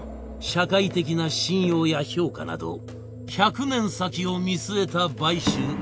社会的な信用や評価など１００年先を見据えた買収